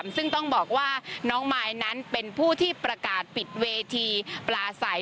ซึ่งต้องบอกว่าน้องมายนั้นเป็นผู้ที่ประกาศปิดเวทีปลาใส